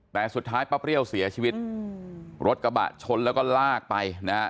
แต่สุดท้ายป้าเปรี้ยวเสียชีวิตรถกระบะชนแล้วก็ลากไปนะฮะ